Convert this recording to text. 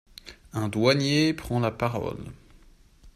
Un douanier prend la parole...